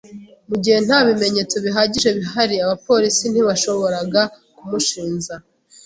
Mu gihe nta bimenyetso bihagije bihari, abapolisi ntibashoboraga kumushinja.